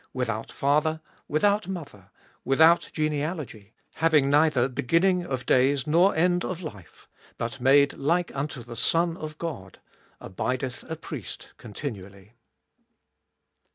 Without father, without mother, without genealogy, having neither be ginning of days nor end of life, but made like unto the Son of God), abideth a priest continually.